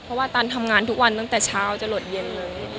เพราะว่าตันทำงานทุกวันตั้งแต่เช้าจะหลดเย็นเลย